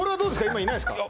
今いないですか？